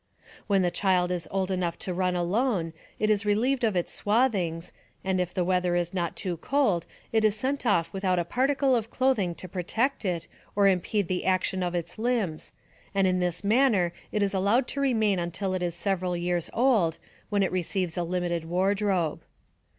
When the child is old enough to run alone, it is relieved of its swathings, and if the weather is not too cold, it is sent off without a particle of clothing to pro AMONG THE SIOUX INDIANS. 181 tect it or impede the action of its limbs, and in this manner it is allowed to remain until it is several years old, when it receives a limited wardrobe.